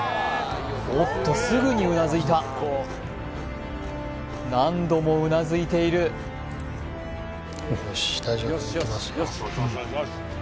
おっとすぐにうなずいた何度もうなずいているよし大丈夫だいけますよ